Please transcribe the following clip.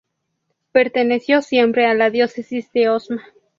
Perteneció siempre a la diócesis de Osma.